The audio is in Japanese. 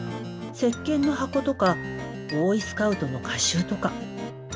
せっけんの箱とかボーイスカウトの歌集とか。